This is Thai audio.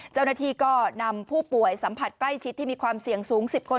เจ้าหน้าที่ก็นำผู้ป่วยสัมผัสใกล้ชิดที่มีความเสี่ยงสูง๑๐คน